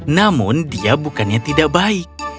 namun dia bukannya tidak baik